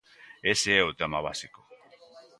Ese é o tema básico.